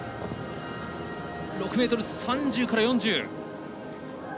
６ｍ３０から４０。